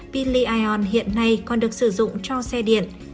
pin li ion hiện nay còn được sử dụng cho xe điện